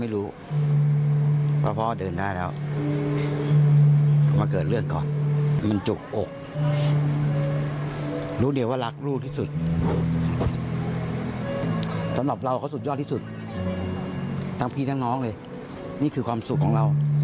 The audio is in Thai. สำหรับเราเขาสุดยอดที่สุดทั้งพี่ทั้งน้องเลยนี่คือความสุขของเรา